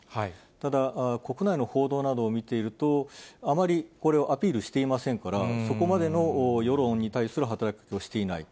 ただ国内の報道などを見ていると、あまりこれをアピールしていませんから、そこまでの世論に対する働きかけをしていない。